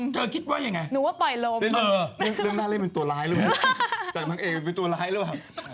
จริงคิดเหมือนหนูเมื่อกี้จะพูดนะพูดแหม